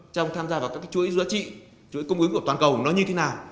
trong tham gia vào các cái chuỗi giá trị chuỗi cung ứng của toàn cầu nó như thế nào